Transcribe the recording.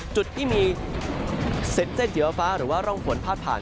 จุดที่มีเส้นเขียวฟ้าหรือว่าร่องฝนพาดผ่าน